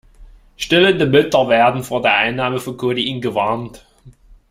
Stillende Mütter werden vor der Einnahme von Codein gewarnt.